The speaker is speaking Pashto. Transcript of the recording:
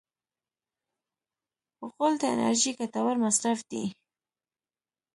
غول د انرژۍ ګټور مصرف دی.